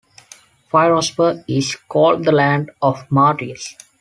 Firozpur is called 'the land of martyrs'.